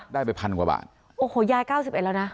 ได้ไปพันกว่าบาทโอ้โหยายเก้าสิบเอ็ดแล้วนะ